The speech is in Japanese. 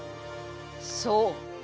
そう。